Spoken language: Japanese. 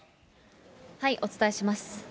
お伝えします。